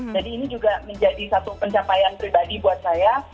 jadi ini juga menjadi satu pencapaian pribadi buat saya